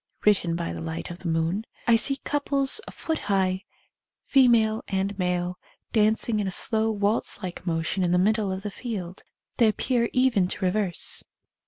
(Written by the light of the moon.) I see couples a foot high, fe male and male, dancing in a slow waltz like motion in the middle of the field. They ap pear even to reverse.